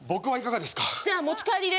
じゃあ、持ち帰りで。